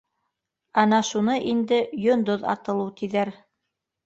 Ана шуны инде йондоҙ атылыу тиҙәр.